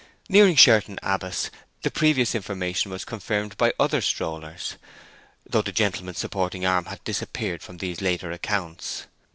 Nearing Sherton Abbas, the previous information was confirmed by other strollers, though the gentleman's supporting arm had disappeared from these later accounts.